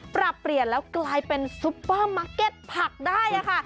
ปรับเปลี่ยนแล้วกลายเป็นซุปเปอร์มาร์เก็ตผักได้ค่ะ